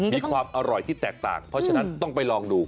มีความอร่อยที่แตกต่างเพราะฉะนั้นต้องไปลองดู